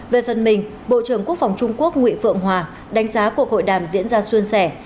về phần mình bộ trưởng quốc phòng trung quốc nguyễn phượng hòa đánh giá cuộc hội đàm diễn ra xuân sẻ